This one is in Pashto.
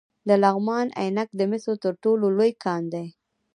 د لغمان عينک د مسو تر ټولو لوی کان دی